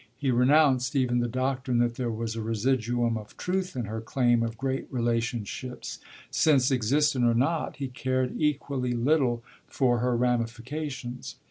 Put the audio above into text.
He renounced even the doctrine that there was a residuum of truth in her claim of great relationships, since, existent or not, he cared equally little for her ramifications.